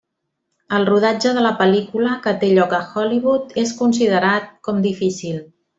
El rodatge de la pel·lícula, que té lloc a Hollywood, és considerat com difícil.